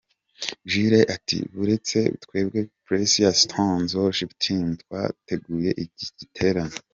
Jules ati Buretse twebwe Precious Stones Worship team twateguye icyi giterane.